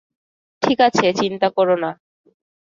ঠিক আছে, চিন্তা করো না।